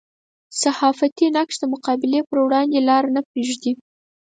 صحافتي نقش د مقابلې پر وړاندې لاره نه پرېږدي.